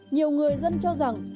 nhiều người dân cho rằng